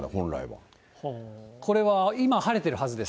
これは今晴れてるはずです。